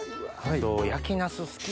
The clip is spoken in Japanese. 焼きナス好き。